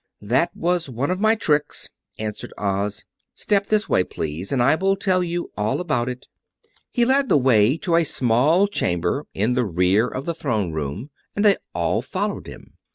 "That was one of my tricks," answered Oz. "Step this way, please, and I will tell you all about it." He led the way to a small chamber in the rear of the Throne Room, and they all followed him.